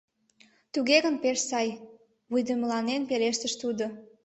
— Туге гын, пеш сай, — вуйдымыланен пелештыш тудо.